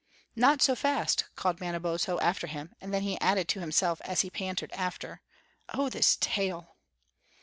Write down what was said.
"Not so fast," called Manabozho after him; and then he added to himself as he panted after, "Oh, this tail!"